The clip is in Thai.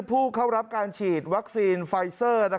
ผู้เข้ารับการฉีดวัคซีนไฟเซอร์